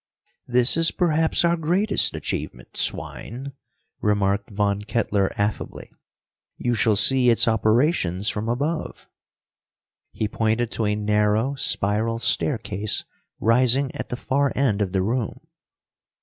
"This is perhaps our greatest achievement, swine," remarked Von Kettler, affably. "You shall see its operations from above." He pointed to a narrow spiral staircase rising at the far end of the room.